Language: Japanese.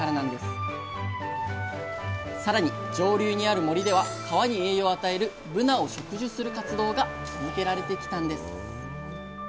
更に上流にある森では川に栄養を与えるブナを植樹する活動が続けられてきたんです。